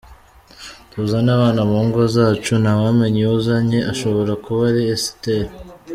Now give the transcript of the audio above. Tuzane abana mu ngo zacu, ntawamenya uwo uzanye ashobora kuba ari Esiteri.